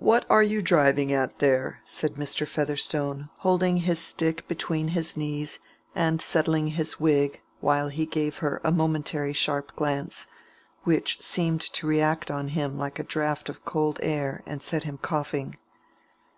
"What are you driving at there?" said Mr. Featherstone, holding his stick between his knees and settling his wig, while he gave her a momentary sharp glance, which seemed to react on him like a draught of cold air and set him coughing.